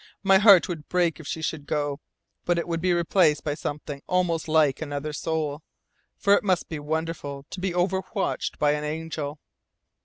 My heart would break if she should go. But it would be replaced by something almost like another soul. For it must be wonderful to be over watched by an angel."